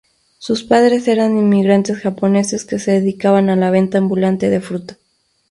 Sus padres eran inmigrantes japoneses que se dedicaban a la venta ambulante de fruta.